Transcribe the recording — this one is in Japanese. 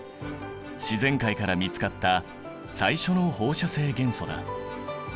自然界から見つかった最初の放射性元素だ。